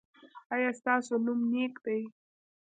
ایا ستاسو نوم نیک دی؟